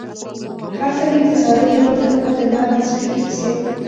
هر سړي د زاړه دېوال تر خوا د لمر په څړیکې پسې.